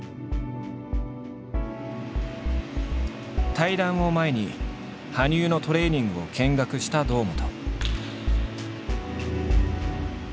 対談を前に羽生のトレーニングを見学した堂本。